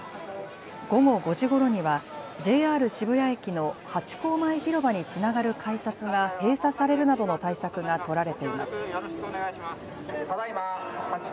午後５時ごろにはＪＲ渋谷駅のハチ公前広場につながる改札が閉鎖されるなどの対策が取られています。